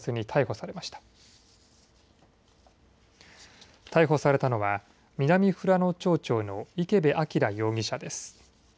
逮捕されたのは南富良野町長の池部彰容疑者です。